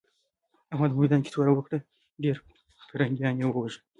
احمد په ميوند کې توره وکړه؛ ډېر پرنګيان يې ووژل.